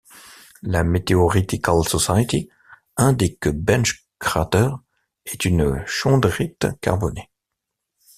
La Meteoritical Society indique que Bench Crater est une chondrite carbonée.